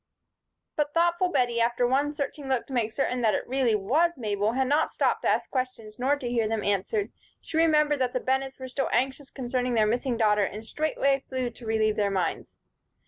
But thoughtful Bettie, after one searching look to make certain that it really was Mabel, had not stopped to ask questions, nor to hear them answered. She remembered that the Bennetts were still anxious concerning their missing daughter, and straightway flew to relieve their minds.